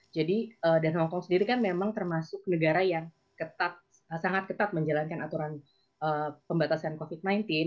jadi dan hongkong sendiri kan memang termasuk negara yang sangat ketat menjalankan aturan pembatasan covid sembilan belas